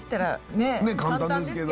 ねえ簡単ですけど。